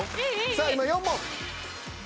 さあ今４問。